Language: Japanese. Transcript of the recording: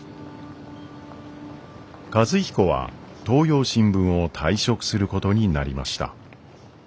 和彦は東洋新聞を退職することになりました。